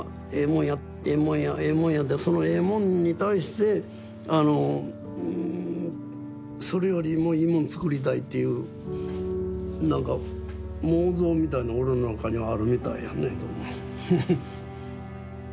もんやええもんやええもんやってそのええもんに対してそれよりもいいもん作りたいっていうなんか妄想みたいの俺の中にはあるみたいやねどうも。